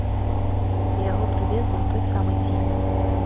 Яго прывезлі ў той самы дзень.